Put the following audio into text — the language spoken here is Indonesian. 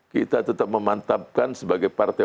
kita tetap memantapkan sebagai partai